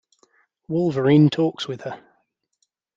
Wolverine talks with her.